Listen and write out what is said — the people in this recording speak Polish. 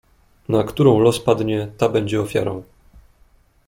"Na którą los padnie, ta będzie ofiarą."